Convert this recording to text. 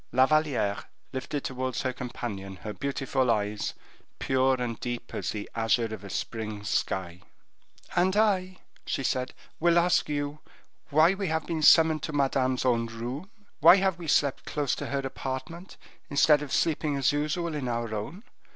La Valliere lifted towards her companion her beautiful eyes, pure and deep as the azure of a spring sky, "And I," she said, "will ask you why we have been summoned to Madame's own room? Why have we slept close to her apartment, instead of sleeping as usual in our own?